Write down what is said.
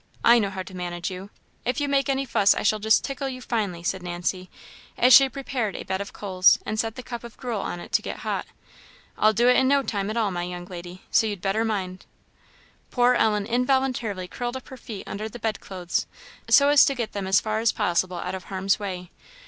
I know how to manage you; if you make any fuss I shall just tickle you finely," said Nancy, as she prepared a bed of coals, and set the cup of gruel on it to get hot. "I'll do it in no time at all, my young lady so you'd better mind." Poor Ellen involuntarily curled up her feet under the bed clothes, so as to get them as far as possible out of harm's way.